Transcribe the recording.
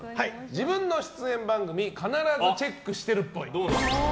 自分の出演番組必ずチェックしてるっぽい。